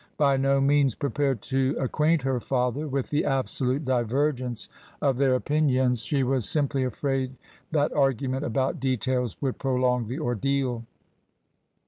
By no means prepared to acquaint her father with the absolute divergence of their TRANSITION. 25 opinions, she was simply afraid that argument about details would prolong the ordeal.